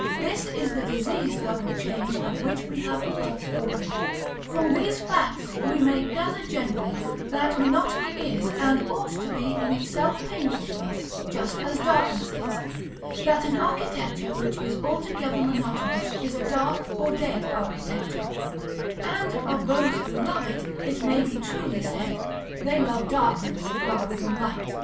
This is the diseased love of change of which we have above spoken. § XXXVII. From these facts we may gather generally that monotony is, and ought to be, in itself painful to us, just as darkness is; that an architecture which is altogether monotonous is a dark or dead architecture; and, of those who love it, it may be truly said, "they love darkness rather than light."